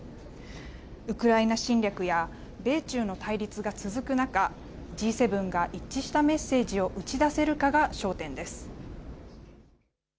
ウクライナ侵略や米中の対立が続く中、Ｇ７が一致したメッセージを打ち出せるかが焦点です。